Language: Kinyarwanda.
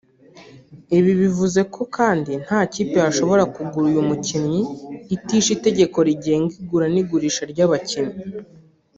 Ibi bivuze ko kandi nta kipe yashobora kugura uyu mukinnyi itishe itegeko rigenga igura n’igurisha ry’abakinnyi